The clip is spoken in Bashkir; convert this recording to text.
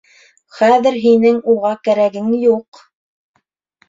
Хәҙер һинең уға кәрәгең юҡ!